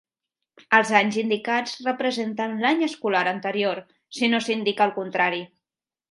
Els anys indicats representen l'any escolar anterior, si no s'indica el contrari.